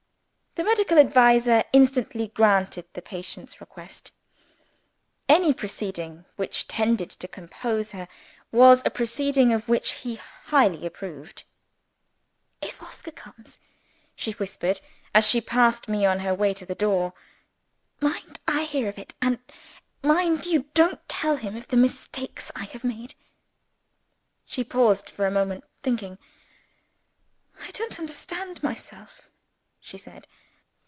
The medical adviser instantly granted the patient's request. Any proceeding which tended to compose her, was a proceeding of which he highly approved. "If Oscar comes," she whispered, as she passed me on her way to the door, "mind I hear of it! and mind you don't tell him of the mistakes I have made!" She paused for a moment, thinking. "I don't understand myself," she said.